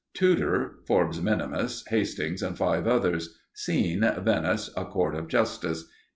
Tudor, Forbes Minimus, Hastings, and five others. Scene: Venice. A Court of Justice.